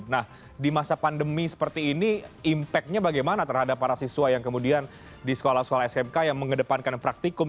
nah di masa pandemi seperti ini impactnya bagaimana terhadap para siswa yang kemudian di sekolah sekolah smk yang mengedepankan praktikum